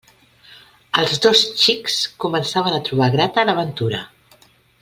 Els dos xics començaven a trobar grata l'aventura.